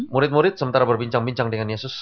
murid murid sementara berbincang bincang dengan yesus